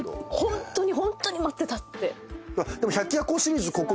ホントにホントに待ってたって。